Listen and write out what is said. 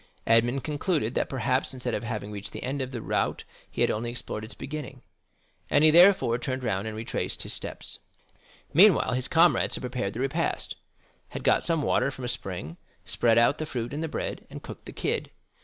Edmond concluded that perhaps instead of having reached the end of the route he had only explored its beginning, and he therefore turned round and retraced his steps. Meanwhile his comrades had prepared the repast, had got some water from a spring, spread out the fruit and bread, and cooked the kid.